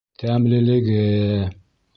Тәмлелеге!